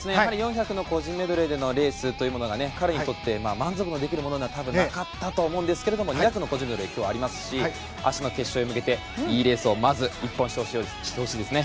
４００ｍの個人メドレーでのレースが彼にとって満足できるものでは多分、なかったと思いますけども２００の個人メドレーがありますし明日の決勝へ向けていいレースをまず１本してほしいですね。